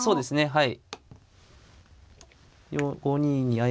はい。